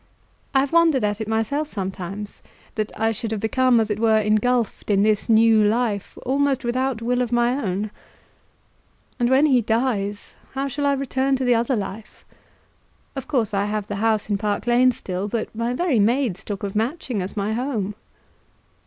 I have wondered at it myself sometimes, that I should have become as it were engulfed in this new life, almost without will of my own. And when he dies, how shall I return to the other life? Of course I have the house in Park Lane still, but my very maid talks of Matching as my home."